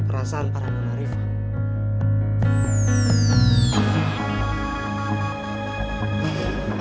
perasaan pada nana rifah